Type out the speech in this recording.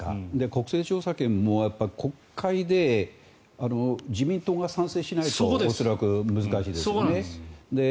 国政調査権も国会で自民党が賛成しないと恐らく難しいですよね。